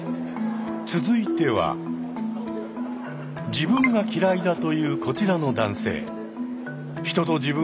自分が嫌いだというこちらの男性。